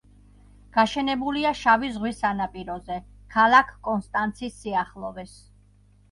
გაშენებულია შავი ზღვის სანაპიროზე, ქალაქ კონსტანცის სიახლოვეს.